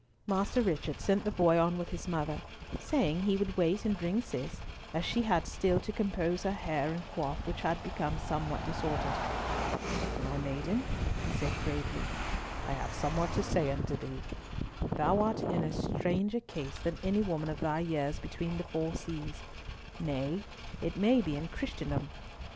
Master Richard sent the boy on with his mother, saying he would wait and bring Cis, as she had still to compose her hair and coif, which had become somewhat disordered. "My maiden," he said, gravely, "I have somewhat to say unto thee. Thou art in a stranger case than any woman of thy years between the four seas; nay, it may be in Christendom.